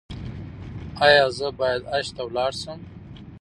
ایا زه باید حج ته لاړ شم؟